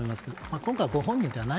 今回、ご本人ではない